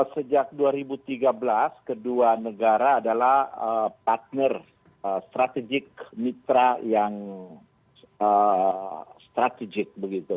sejak dua ribu tiga belas kedua negara adalah partner strategik mitra yang strategik begitu